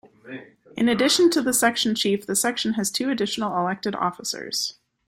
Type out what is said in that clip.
In addition to the section chief, the section has two additional elected officers.